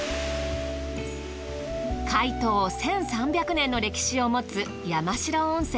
開湯１，３００年の歴史を持つ山代温泉。